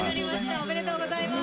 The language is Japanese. ありがとうございます。